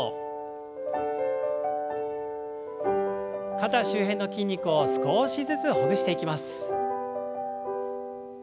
肩周辺の筋肉を少しずつほぐしていきます。